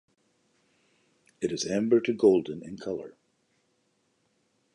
It is amber to golden in colour.